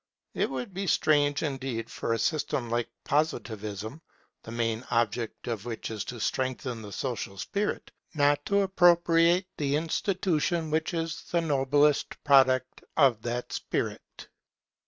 It would be strange indeed for a system like Positivism, the main object of which is to strengthen the social spirit, not to appropriate the institution which is the noblest product of that spirit.